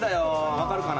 分かるかな。